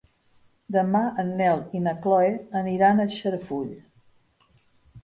Demà en Nel i na Chloé aniran a Xarafull.